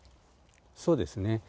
そうですね。